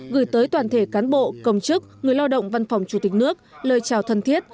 gửi tới toàn thể cán bộ công chức người lao động văn phòng chủ tịch nước lời chào thân thiết